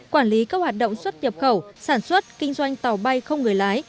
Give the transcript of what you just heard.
quản lý các hoạt động xuất nhập khẩu sản xuất kinh doanh tàu bay không người lái